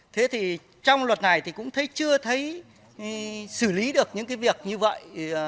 thế thì trong luật này thì cũng thấy chưa thấy xử lý được những cái việc như vậy